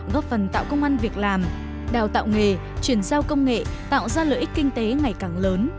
góp phần tạo công an việc làm đào tạo nghề chuyển giao công nghệ tạo ra lợi ích kinh tế ngày càng lớn